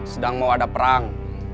sedang mau ada perang